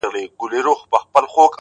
• راباندي گرانه خو يې؛